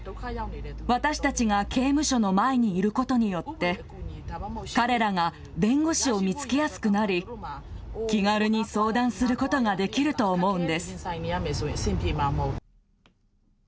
私たちが刑務所の前にいることによって、彼らが弁護士を見つけやすくなり、気軽に相談することができると思うんです。